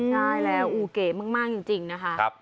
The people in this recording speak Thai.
ใช่แล้วอูเก๋มากจริงนะคะ